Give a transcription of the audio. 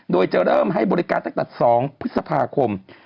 โดยจะเริ่มให้บริการตั้งแต่๒พฤษภาคม